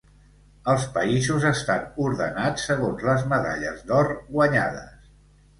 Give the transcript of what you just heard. Els països estan ordenats segons les medalles d'or guanyades.